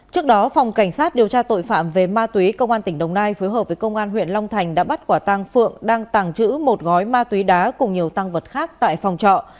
trước đó phòng cảnh sát điều tra tội phạm về ma túy công an tỉnh đồng nai phối hợp với công an huyện long thành đã bắt quả tăng phượng đang tàng trữ một gói ma túy đá cùng nhiều tăng vật khác tại phòng trọ